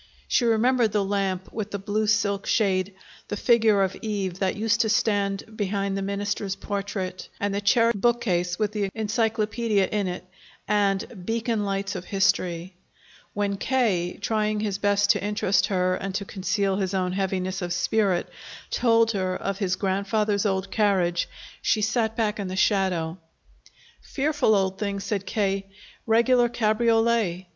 She remembered the lamp with the blue silk shade, the figure of Eve that used to stand behind the minister's portrait, and the cherry bookcase with the Encyclopaedia in it and "Beacon Lights of History." When K., trying his best to interest her and to conceal his own heaviness of spirit, told her of his grandfather's old carriage, she sat back in the shadow. "Fearful old thing," said K., "regular cabriolet.